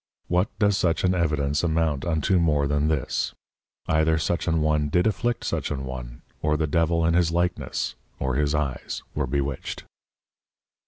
What does such an Evidence amount unto more than this: Either such an one did afflict such an one, or the Devil in his likeness, or his Eyes were bewitched.